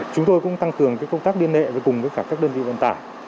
chúng tôi cũng tăng cường công tác điên nệ với cùng với các đơn vị vận tải